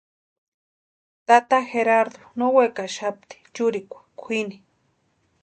Tata Gerardu no wekaxapti churikwa kwʼini.